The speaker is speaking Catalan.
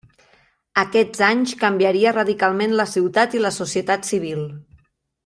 Aquests anys canviaria radicalment la ciutat i la societat civil.